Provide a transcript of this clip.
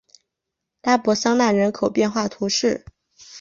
拉博桑讷人口变化图示